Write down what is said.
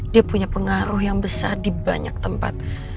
dia punya pengaruh yang besar di banyak tempat